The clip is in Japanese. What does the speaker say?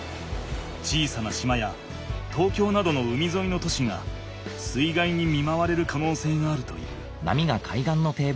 小さな島や東京などの海ぞいの都市が水害に見まわれるかのうせいがあるという。